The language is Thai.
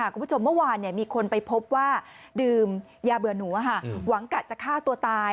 คุณผู้ชมเมื่อวานมีคนไปพบว่าดื่มยาเบื่อหนูหวังกะจะฆ่าตัวตาย